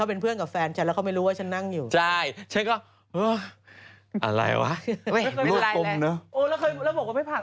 เห็นหน้าฉันตกใจมากกว่าฝอ